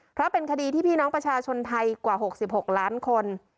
เพราะเป็นคดีที่พี่น้องประชาชนไทยกว่า๖๖ล้านคน